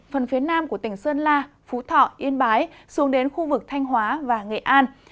phần phía nam của tỉnh sơn la phú thọ yên bái xuống đến khu vực thanh hóa và nghệ an